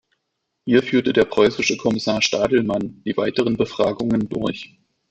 Hier führte der preußische Kommissar Stadelmann die weiteren Befragungen durch.